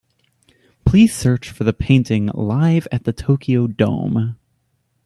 Please search for the painting Live at the Tokyo Dome.